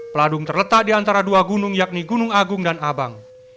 peladung terletak di antara dua gunung yakni gunung agung dan abang